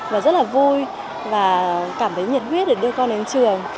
và rất là vui và cảm thấy nhiệt huyết để đưa con đến trường